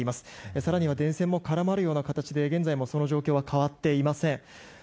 更には、電線も絡まるような形でその状況は現在も変わっていません。